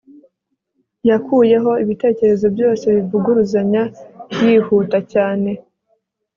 Yakuyeho ibitekerezo byose bivuguruzanya yihuta cyane